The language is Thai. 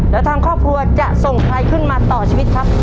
แล้วทางครอบครัวจะส่งใครขึ้นมาต่อชีวิตครับ